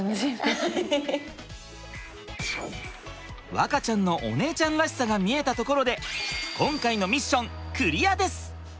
和花ちゃんのお姉ちゃんらしさが見えたところで今回のミッションクリアです！